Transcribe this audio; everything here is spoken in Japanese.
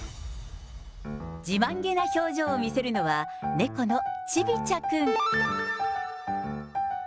自慢げな表情を見せるのは、猫のチビ茶くん。